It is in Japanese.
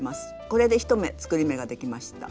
これで１目作り目ができました。